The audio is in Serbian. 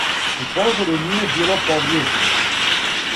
У пожару није било повријеđених.